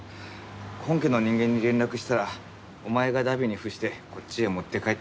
本家の人間に連絡したら「お前が荼毘に付してこっちへ持って帰ってこい」